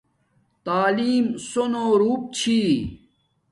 تعلیم سُونو روپ چھی